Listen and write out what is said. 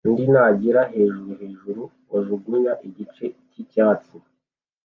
undi ntagira hejuru hejuru bajugunya igice cyicyatsi